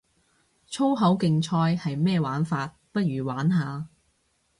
粗口競賽係咩玩法，不如玩下